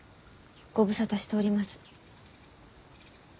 ご無沙汰しております。